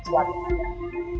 hoạt động nạn